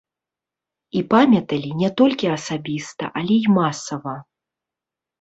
І памяталі не толькі асабіста, але і масава.